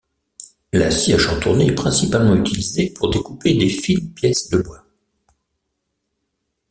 La scie à chantourner est principalement utilisée pour découper des fines pièces de bois.